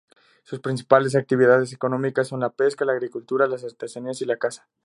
Sus principales actividades económicas son la pesca, la agricultura, las artesanías y la caza.